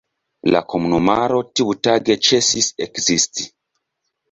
La komunumaro tiutage ĉesis ekzisti.